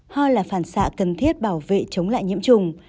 ho là phản xạ cần thiết bảo vệ chống lại nhiễm trùng